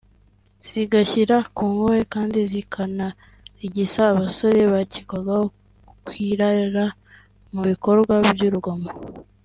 zigashyira ku ngoyi kandi zikanarigisa abasore bakekwagaho kwirara mu bikorwa by’urugomo